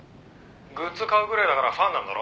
「グッズ買うぐらいだからファンなんだろ？」